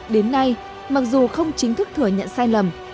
đến nay mặc dù không chính thức thừa nhận sai lầm